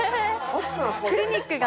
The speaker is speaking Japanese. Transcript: クリニックが？